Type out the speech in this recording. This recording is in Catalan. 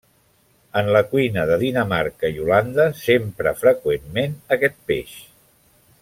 En la cuina de Dinamarca i Holanda s'empra freqüentment aquest peix.